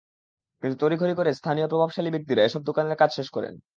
কিন্তু তড়িঘড়ি করে স্থানীয় প্রভাবশালী ব্যক্তিরা এসব দোকানের কাজ শেষ করেন।